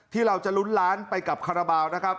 ที่เราจะลุ้นล้านไปกับคาราบาลนะครับ